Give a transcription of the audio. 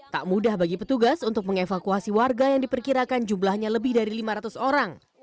tak mudah bagi petugas untuk mengevakuasi warga yang diperkirakan jumlahnya lebih dari lima ratus orang